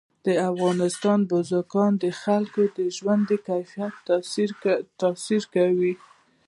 په افغانستان کې بزګان د خلکو د ژوند په کیفیت تاثیر کوي.